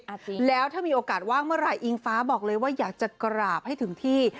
สิแล้วถ้ามีโอกาสว่างเมื่อไหร่อิงฟ้าบอกเลยว่าอยากจะกราบให้ถึงที่